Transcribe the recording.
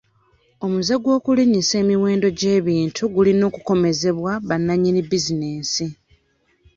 Omuze gw'okulinnyisa emiwendo gy'ebintu gulina okukomezebwa bannannyini bizinensi.